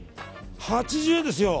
８０円ですよ。